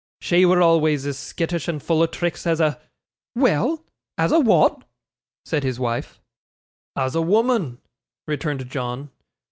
'She wur always as skittish and full o' tricks as a ' 'Well, as a what?' said his wife. 'As a woman,' returned John.